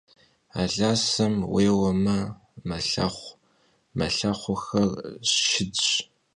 Alaşem vuêueme, melhexhu, mılhexhuxxer şşıdş.